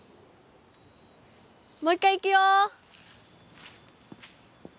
もう一回いくよ。